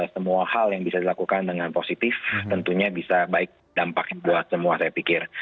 semua hal yang bisa dilakukan dengan positif tentunya bisa baik dampaknya buat semua saya pikir